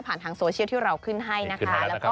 ทางโซเชียลที่เราขึ้นให้นะคะ